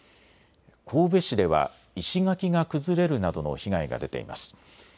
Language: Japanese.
神戸市では石垣が崩れるなどの被害が出ています。